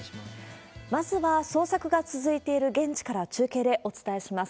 まずは捜索が続いている現地から中継でお伝えします。